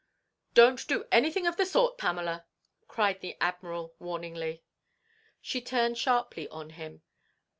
"Don't do anything of the sort, Pamela!" cried the Admiral, warningly. She turned sharply on him.